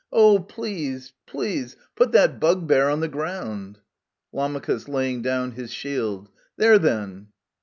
Oh, please, please put that bugbear on the ground ! Lam. {laying down his shield). There, then